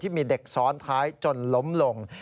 มีเด็กซ้อนท้ายจนล้มลง